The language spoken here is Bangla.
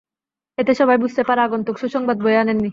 এতে সবাই বুঝতে পারে, আগন্তুক সুসংবাদ বয়ে আনেননি।